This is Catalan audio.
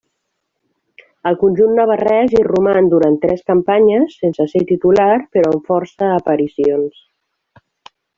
Al conjunt navarrès hi roman durant tres campanyes, sense ser titular però amb força aparicions.